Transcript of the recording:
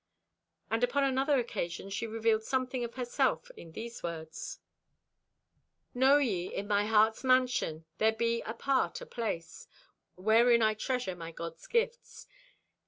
And upon another occasion she revealed something of herself in these words: Know ye; in my heart's mansion There be apart a place Wherein I treasure my God's gifts.